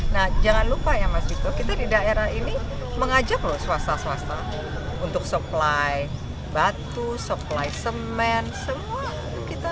nah jangan lupa ya mas diko kita di daerah ini mengajak loh swasta swasta untuk supply batu supply semen semua